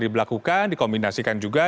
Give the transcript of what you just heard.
dibelakukan dikombinasikan juga